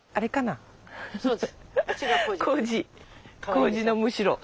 麹のむしろ。